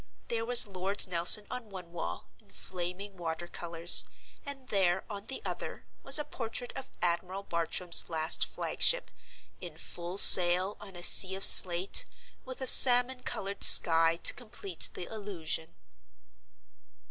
There was Lord Nelson on one wall, in flaming watercolors; and there, on the other, was a portrait of Admiral Bartram's last flagship, in full sail on a sea of slate, with a salmon colored sky to complete the illusion.